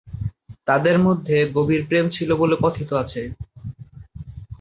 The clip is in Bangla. তাদের মধ্যে গভীর প্রেম ছিল বলে কথিত আছে।